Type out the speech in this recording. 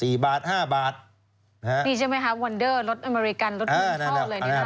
ดีใช่ไหมครับวอลเดอร์รถอเมริกันรถบุหรี่ชอบเลย